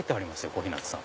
小日向さん。